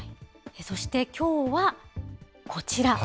そして、きょうはこちら。